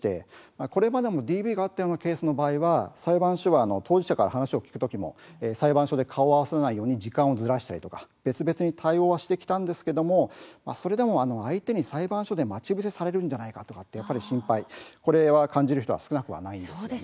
これまでもＤＶがあったようなケースの場合、裁判所は当事者から話を聞くときも裁判所で顔を合わせないように時間をずらしたり別々に対応はしてきましたがそれでも相手に裁判所で待ち伏せをされるのではないかという心配を感じる人は少なくないんですね。